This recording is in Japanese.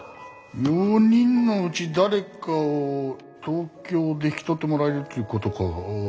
４人のうち誰かを東京で引き取ってもらえるっちゅうことか。